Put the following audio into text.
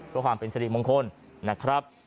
เพื่อความเป็นสริมงคลนะครับ